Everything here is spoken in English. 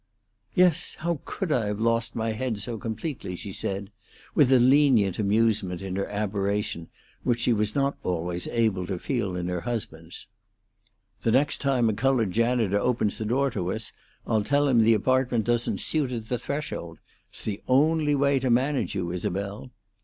"Yes! How could I have lost my head so completely?" she said, with a lenient amusement in her aberration which she was not always able to feel in her husband's. "The next time a colored janitor opens the door to us, I'll tell him the apartment doesn't suit at the threshold. It's the only way to manage you, Isabel."